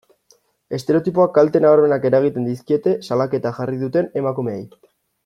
Estereotipook kalte nabarmenak eragiten dizkie salaketa jarri duten emakumeei.